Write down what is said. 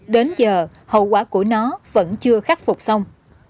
đến giờ hậu quả của nó vẫn chưa khắc phục xong